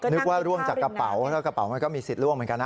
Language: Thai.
นึกว่าร่วงจากกระเป๋าแล้วกระเป๋ามันก็มีสิทธิล่วงเหมือนกันนะ